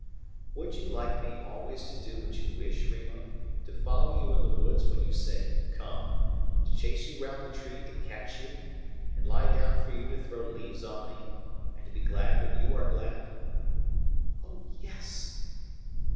"Would you like me always to do what you wish, Rima to follow you in the woods when you say 'Come' to chase you round the tree to catch you, and lie down for you to throw leaves on me, and to be glad when you are glad?" "Oh, yes."